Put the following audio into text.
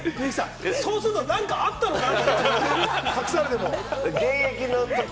そうなると何かあったのかな？